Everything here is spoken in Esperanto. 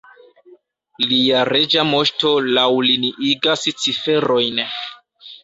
Lia Reĝa Moŝto laŭliniigas ciferojn.